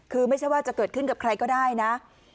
คือไม่ใช่ว่าจะเกิดขึ้นกับใครก็ได้นะ